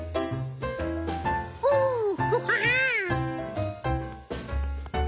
オフハハ。